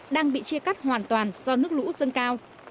đang bị chia cắt hoàn toàn do nước lũ dâng cao